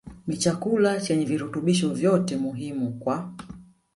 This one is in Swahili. ni chakula chenye virutubisho vyote muhimu kwa